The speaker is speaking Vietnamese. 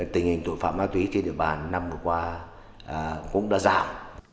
tình hình tội phạm ma túy trên địa bàn năm vừa qua cũng đã giảm